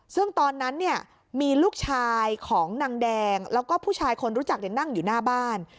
ซึ่งตอนนั้นเนี่ยมีลูกชายของนางแดงแล้วก็ผู้ชายคนรู้จักนั่งอยู่หน้าบ้าน